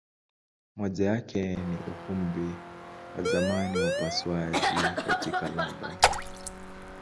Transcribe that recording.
Moja yake ni Ukumbi wa zamani wa upasuaji katika London.